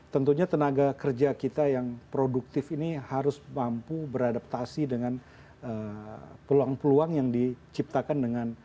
tentunya tenaga kerja kita yang produktif ini harus mampu beradaptasi dengan peluang peluang yang diciptakan dengan